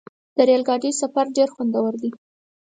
د ریل ګاډي سفر ډېر خوندور دی.